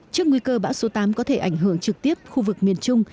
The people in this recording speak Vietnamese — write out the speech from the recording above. trước nguy cơ bão số tám có thể ảnh hưởng trực tiếp khu vực miền trung